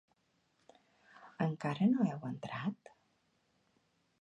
Encara no heu entrat?